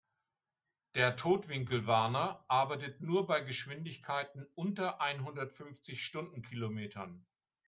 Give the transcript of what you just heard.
Der Totwinkelwarner arbeitet nur bei Geschwindigkeiten unter einhundertfünfzig Stundenkilometern.